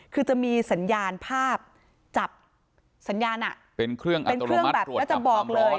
คือจะมีสัญญาณภาพจับสัญญาณเป็นเครื่องอัตโนมัติตรวจจับความร้อน